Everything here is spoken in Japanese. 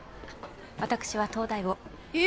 私は東大をえっ！？